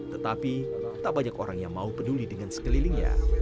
tetapi tak banyak orang yang mau peduli dengan sekelilingnya